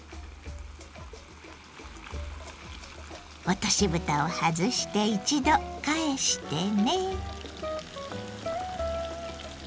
落としぶたを外して１度返してね。